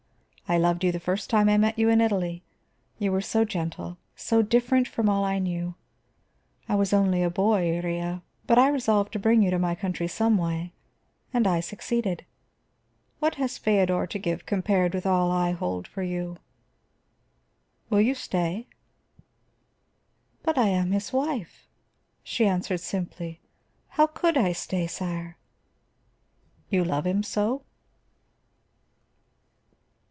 I loved you the first time I met you in Italy; you were so gentle, so different from all I knew. I was only a boy, Iría, but I resolved to bring you to my country some way; and I succeeded. What has Feodor to give compared with all I hold for you? Will you stay?" "But I am his wife," she answered simply. "How could I stay, sire?" "You love him so?"